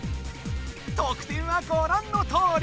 得点はごらんのとおり。